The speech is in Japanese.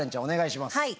お願いします。